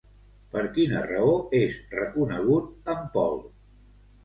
Per quina raó és reconegut en Paul?